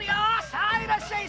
さあいらっしゃい！